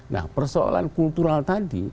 nah persoalan kultural tadi